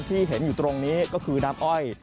ที่เห็นอยู่ตรงนี้ก็คือน้ำอ้อย